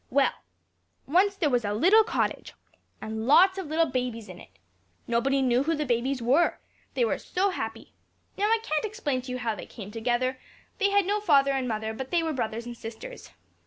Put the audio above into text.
Well! "Once there was a little cottage, and lots of little babies in it. Nobody knew who the babies were. They were so happy! Now, I can't explain it to you how they came together: they had no father and mother, but they were brothers and sisters.